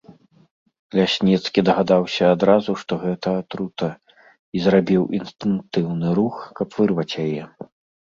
Лясніцкі дагадаўся адразу, што гэта атрута, і зрабіў інстынктыўны рух, каб вырваць яе.